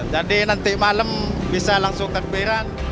jadi nanti malam bisa langsung terberang